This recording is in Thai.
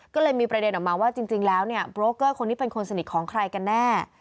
ก็เลยมีประเด็นออกมาว่าจริงแล้วเนี่ยโบรกเกอร์คนนี้เป็นคนสนิทของใครกันแน่